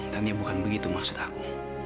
ya bukan begitu maksud aku